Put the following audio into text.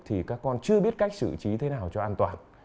thì các con chưa biết cách xử trí thế nào cho an toàn